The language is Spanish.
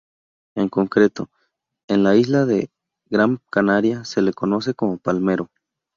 En concreto, en la isla de Gran Canaria, se le conoce como palmero.